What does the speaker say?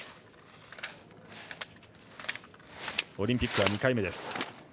オリンピックは２回目です。